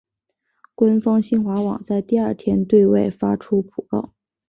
官方新华网在第二天对外发出讣告。